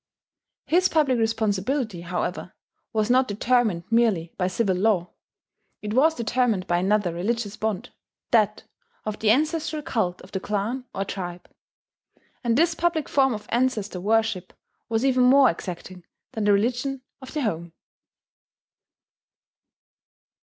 His public responsibility, however, was not determined merely by civil law. It was determined by another religious bond, that of the ancestral cult of the clan or tribe; and this public form of ancestor worship was even more exacting than the religion of the home.